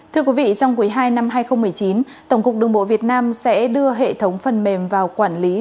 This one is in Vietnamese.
thưa quý vị trong quý ii năm hai nghìn một mươi chín tổng cục đường bộ việt nam sẽ đưa hệ thống phần mềm vào quản lý